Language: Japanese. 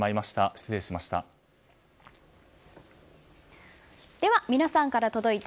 失礼しました。